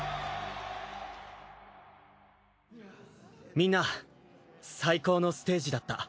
みんな最高のステージだった。